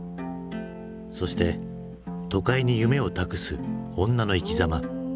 そして都会に夢を託す女の生きざま。